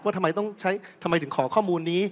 ว่าทำไมถึงขอข้อมูลนี้